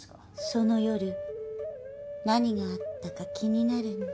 その夜何があったか気になるんだ。